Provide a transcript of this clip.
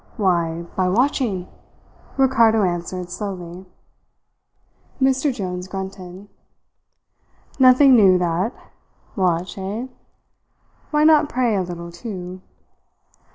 "Why, by watching," Ricardo answered slowly. Mr Jones grunted. "Nothing new, that. Watch, eh? Why not pray a little, too?"